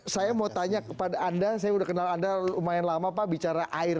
saya mau tanya kepada anda saya udah kenal anda lumayan lama pak bicara air